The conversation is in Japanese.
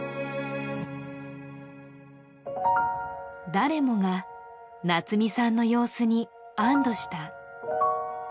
誰もが夏美さんの様子に安どした。